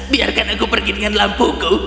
biarkan aku pergi dengan lampuku